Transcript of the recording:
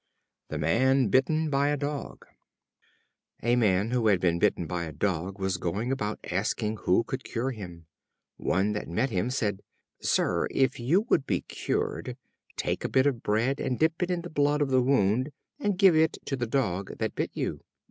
The Man Bitten by a Dog. A Man who had been bitten by a Dog was going about asking who could cure him. One that met him said: "Sir, if you would be cured, take a bit of bread and dip it in the blood of the wound, and give it to the dog that bit you."